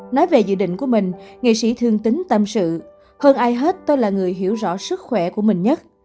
nói về dự định của mình nghệ sĩ thương tính tâm sự hơn ai hết tôi là người hiểu rõ sức khỏe của mình nhất